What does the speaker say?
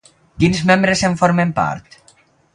Quins membres en formen part?